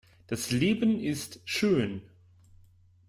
Das Leben ist schön!